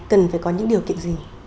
cần phải có những điều kiện gì